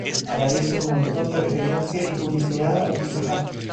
Aparecen un montón de referencias y publicidad al Pizza Hut.